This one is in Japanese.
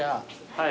はい。